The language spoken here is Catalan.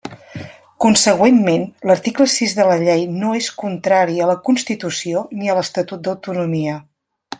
Consegüentment, l'article sis de la Llei no és contrari a la Constitució ni a l'Estatut d'autonomia.